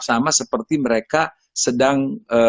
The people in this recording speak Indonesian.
sama seperti mereka sedang